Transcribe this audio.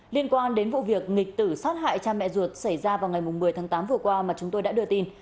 liên quan đến vụ việc nghịch tử sát hại cha mẹ ruột xảy ra vào ngày một mươi tháng tám vừa qua mà chúng tôi đã đưa tin